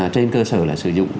trên cơ sở là sử dụng